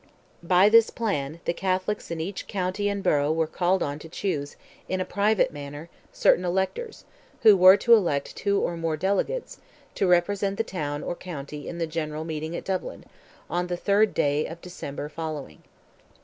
By this plan, the Catholics in each county and borough were called on to choose, in a private manner, certain electors, who were to elect two or more delegates, to represent the town or county in the general meeting at Dublin, on the 3rd day of December following.